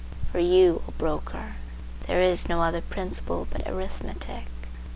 For you, O broker, there is no other principle but arithmetic.